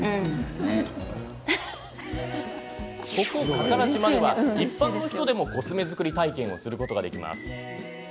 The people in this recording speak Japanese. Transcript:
加唐島では、一般の人でもコスメ作り体験をすることができます。